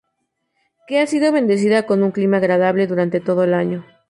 Que ha sido bendecida con un clima agradable durante todo el año.